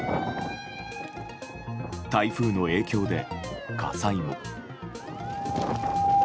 台風の影響で火災も。